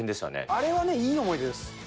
あれはね、いい思い出です。